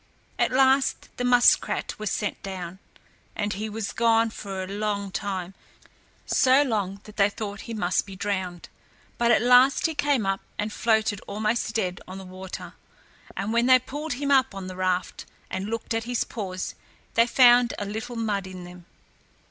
At last the muskrat was sent down, and he was gone for a long time; so long that they thought he must be drowned, but at last he came up and floated almost dead on the water, and when they pulled him up on the raft and looked at his paws, they found a little mud in them.